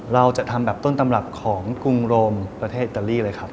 เราจะทำแบบต้นตำรับของกรุงโรมประเทศอิตาลีเลยครับ